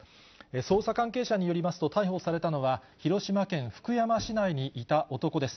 捜査関係者によりますと、逮捕されたのは、広島県福山市内にいた男です。